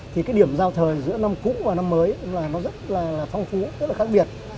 thì cái điểm giao thời giữa năm cũ và năm mới là nó rất là phong phú rất là khác biệt